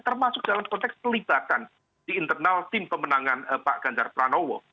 termasuk dalam konteks pelibatan di internal tim pemenangan pak ganjar pranowo